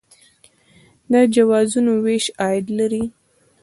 د جوازونو ویش عاید لري